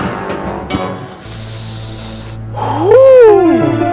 saatnya menerima pembalasanku